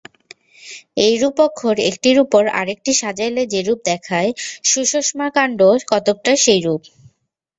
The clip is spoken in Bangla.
এইরূপ অক্ষর, একটির উপর আর একটি সাজাইলে যেরূপ দেখায়, সুষুম্নাকাণ্ড কতকটা সেইরূপ।